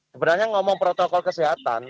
sebenarnya ngomong protokol kesehatan